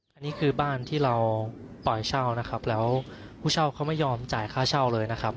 อันนี้คือบ้านที่เราปล่อยเช่านะครับแล้วผู้เช่าเขาไม่ยอมจ่ายค่าเช่าเลยนะครับ